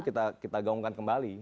kita gaungkan kembali